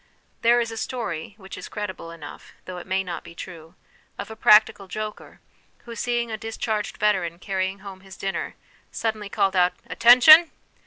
There is a story, which is credible enough, though it may not be true, of a practical joker who, seeing a discharged veteran carry ing home his dinner, suddenly called out ' Attention